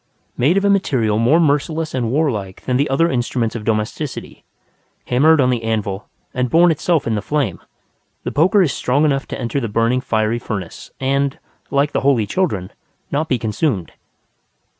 Made of a material more merciless and warlike than the other instruments of domesticity, hammered on the anvil and born itself in the flame, the poker is strong enough to enter the burning fiery furnace, and, like the holy children, not be consumed.